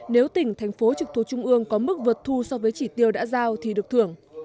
nếu tỉnh thành phố trực thuộc trung ương có mức vượt thu so với chỉ tiêu đã giao thì được thưởng